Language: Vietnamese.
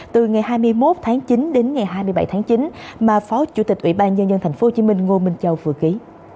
từ ngày hai mươi một tháng chín đến ngày hai mươi bảy tháng chín mà phó chủ tịch ủy ban nhân dân tp hcm ngô minh châu vừa ký